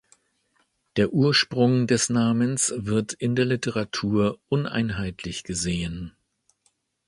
Der Ursprung des Namens wird in der Literatur uneinheitlich gesehen.